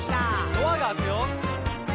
「ドアが開くよ」